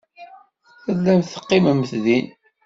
Tellamt teqqimemt din.